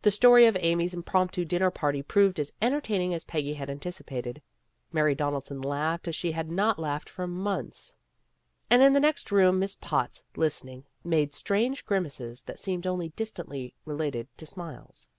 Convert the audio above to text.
The story of Amy 's impromptu dinner party proved as entertaining as Peggy had antici pated. Mary Donaldson laughed as she had not laughed for months. And in the next room Miss Potts, listening, made strange grimaces that seemed only distantly related to smiles.